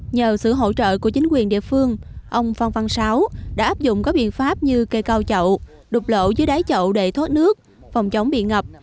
nhờ sự hỗ trợ của chính quyền địa phương ông phan văn sáu đã áp dụng các biện pháp như cây cao chậu đục lộ dưới đáy chậu để thoát nước phòng chống bị ngập